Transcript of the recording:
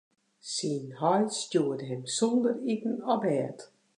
Syn heit stjoerde him sonder iten op bêd.